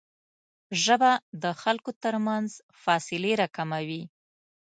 ژبه د خلکو ترمنځ فاصلې راکموي